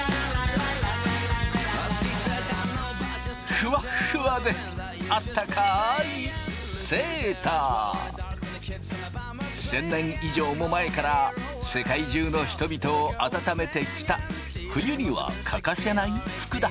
フワッフワであったかい１，０００年以上も前から世界中の人々を温めてきた冬には欠かせない服だ。